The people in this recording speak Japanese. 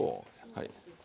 はい。